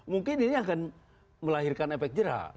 mungkin ini akan melahirkan efek jerah